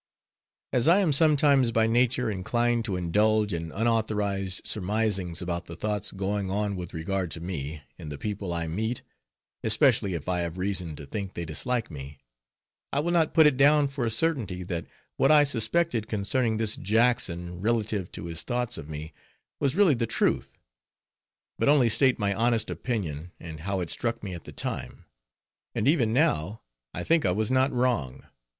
As I am sometimes by nature inclined to indulge in unauthorized surmisings about the thoughts going on with regard to me, in the people I meet; especially if I have reason to think they dislike me; I will not put it down for a certainty that what I suspected concerning this Jackson relative to his thoughts of me, was really the truth. But only state my honest opinion, and how it struck me at the time; and even now, I think I was not wrong.